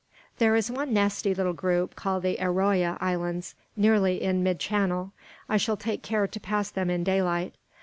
"There is one nasty little group, called the Arroa Islands, nearly in mid channel. I shall take care to pass them in daylight.